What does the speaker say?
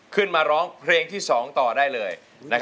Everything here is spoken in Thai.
ขึ้นมาร้องเพลงที่๒ต่อได้เลย